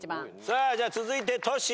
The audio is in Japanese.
さあじゃあ続いてトシ。